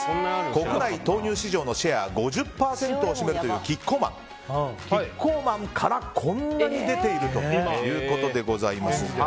国内豆乳市場のシェア５０％を占めるというキッコーマンからこんなに出ているということです。